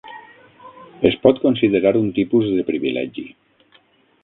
Es pot considerar un tipus de privilegi.